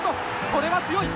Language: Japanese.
これは強い。